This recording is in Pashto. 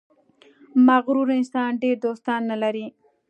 • مغرور انسان ډېر دوستان نه لري.